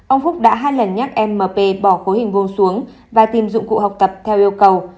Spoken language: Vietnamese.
ông phúc đã hai lần nhắc em mp bỏ khối hình gông xuống và tìm dụng cụ học tập theo yêu cầu